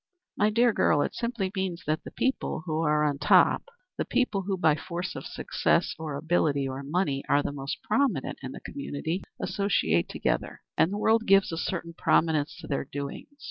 "My dear girl, it simply means that the people who are on top the people who, by force of success, or ability, or money, are most prominent in the community, associate together, and the world gives a certain prominence to their doings.